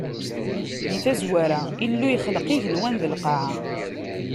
Di tazwara, Illu yexleq igenwan d lqaɛa.